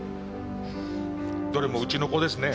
どれもうちの子ですね。